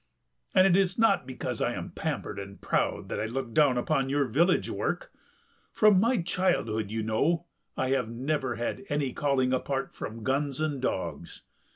And it is not because I am pampered and proud that I look down upon your village work. From my childhood, you know, I have never had any calling apart from guns and dogs.